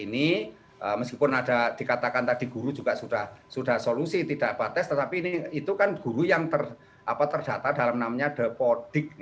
ini meskipun ada dikatakan tadi guru juga sudah solusi tidak apa apa tes tetapi itu kan guru yang terdata dalam namanya the podic